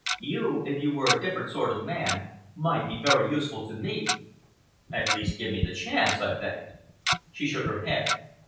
You, if you were a different sort of man, might be very useful to me." "At least give me the chance," I begged. She shook her head.